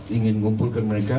kita ingin kumpulkan mereka